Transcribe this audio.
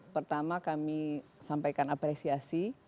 pertama kami sampaikan apresiasi